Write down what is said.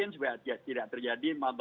supaya tidak terjadi